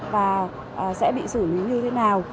và sẽ bị xử như thế nào